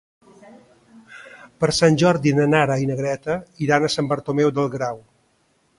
Per Sant Jordi na Nara i na Greta iran a Sant Bartomeu del Grau.